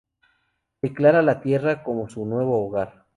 Declara la Tierra como su nuevo hogar.